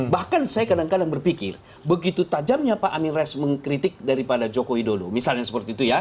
bahkan saya kadang kadang berpikir begitu tajamnya pak amin rais mengkritik daripada joko widodo misalnya seperti itu ya